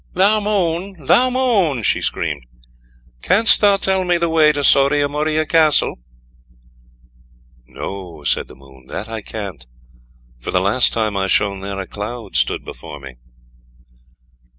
"THOU MOON, THOU MOON," she screamed, "canst thou tell me the way to Soria Moria Castle?" "No," said the Moon, "that I can't, for the last time I shone there a cloud stood before me."